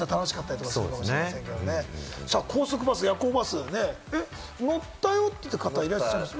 高速バス、夜行バス、乗ったよって方、いらっしゃいます？